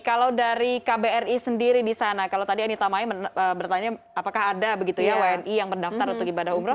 kalau dari kbri sendiri di sana kalau tadi anita mai bertanya apakah ada begitu ya wni yang mendaftar untuk ibadah umroh